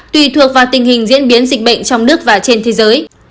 tùy thuộc vào tình hình diễn biến dịch bệnh trong nước và trên thế giới